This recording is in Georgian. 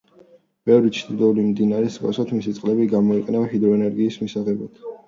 ბევრი ჩრდილოური მდინარის მსგავსად, მისი წყლები გამოიყენება ჰიდროენერგიის მისაღებად.